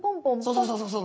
そうそうそうそう。